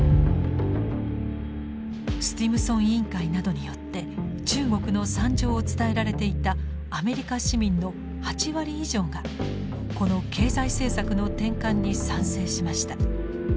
スティムソン委員会などによって中国の惨状を伝えられていたアメリカ市民の８割以上がこの経済政策の転換に賛成しました。